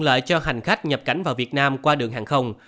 lợi cho hành khách nhập cảnh vào việt nam qua đường hàng không